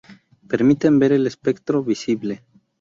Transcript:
Permiten ver el espectro visible.